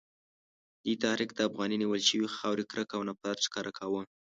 دې تحریک د افغاني نیول شوې خاورې کرکه او نفرت ښکاره کاوه.